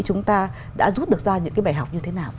chúng ta đã rút được ra những cái bài học như thế nào